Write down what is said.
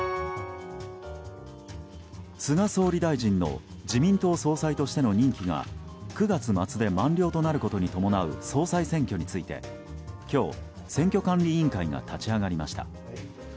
菅総理大臣の自民党総裁としての任期が９月末で満了となることに伴う総裁選挙について今日、選挙管理委員会が立ち上がりました。